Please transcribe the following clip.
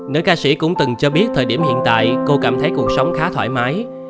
nữ ca sĩ cũng từng cho biết thời điểm hiện tại cô cảm thấy cuộc sống khá thoải mái